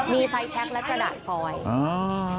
มีไฟแช็คและกระดาษฟอยอ่า